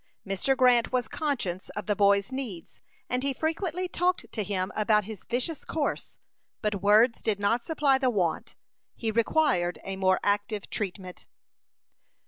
Mr. Grant was conscious of the boy's needs, and he frequently talked to him about his vicious course; but words did not supply the want; he required a more active treatment.